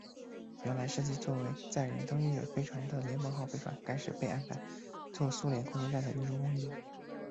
原来设计做为载人登月飞船的联盟号飞船开始被安排做苏联空间站的运输工具。